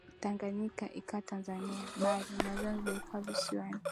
Tanganyika ikawa Tanzania bara na Zanzibar ikawa visiwani